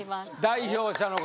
代表者の方